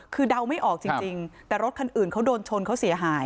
คือเดาไม่ออกจริงแต่รถคันอื่นเขาโดนชนเขาเสียหาย